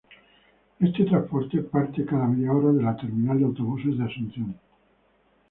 Este transporte parte cada media hora de la Terminal de Autobuses de Asunción.